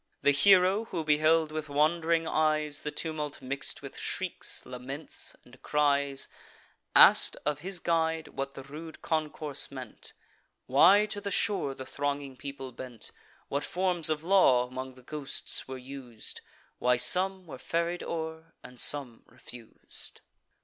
The hero, who beheld with wond'ring eyes The tumult mix'd with shrieks, laments, and cries, Ask'd of his guide, what the rude concourse meant; Why to the shore the thronging people bent; What forms of law among the ghosts were us'd; Why some were ferried o'er, and some refus'd.